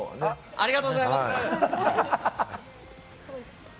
ありがとうございます。